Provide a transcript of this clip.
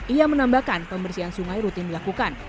ia menambahkan pembersihan sungai rutin dilakukan